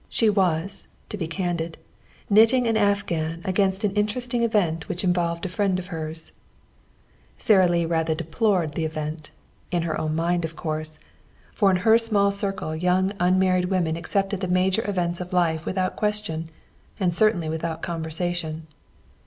She was, to be candid, knitting an afghan against an interesting event which involved a friend of hers. Sara Lee rather deplored the event in her own mind, of course, for in her small circle young unmarried women accepted the major events of life without question, and certainly without conversation.